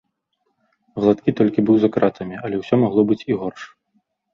Гладкі толькі быў за кратамі, але ўсё магло быць і горш.